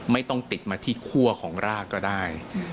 ไม่ต้องติดมาที่คั่วของรากก็ได้